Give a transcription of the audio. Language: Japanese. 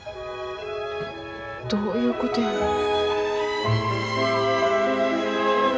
どういうことやろ。